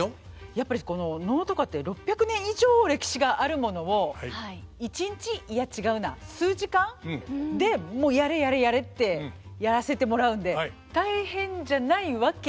やっぱり能とかって６００年以上歴史があるものを一日いや違うな数時間でもう「やれやれやれ」ってやらせてもらうんでハハハハ。